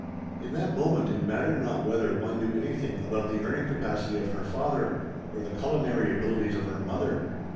In that moment it mattered not whether one knew anything about the earning capacity of her father or the culinary abilities of her mother.